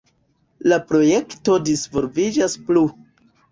La projekto disvolviĝas plu.